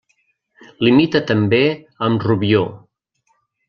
Limita també amb Rubió.